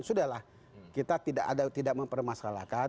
sudahlah kita tidak mempermasalahkan